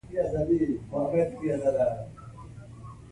ماده باید له یورانیم او توریم زیاته راډیواکټیفه وي.